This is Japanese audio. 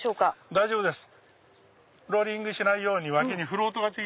大丈夫です。